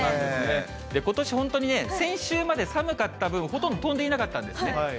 ことし、本当にね、先週まで寒かった分、ほとんど飛んでいなかったんですね。